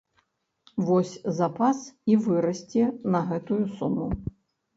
Вось запас і вырасце на гэтую суму.